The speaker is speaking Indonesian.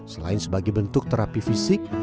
selain sebagai bentuk terapi fisik